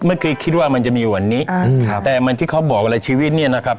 เมื่อกี้คิดว่ามันจะมีวันนี้แต่เหมือนที่เขาบอกอะไรชีวิตเนี่ยนะครับ